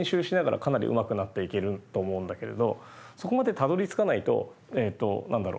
そこまでたどりつかないとえっと何だろう？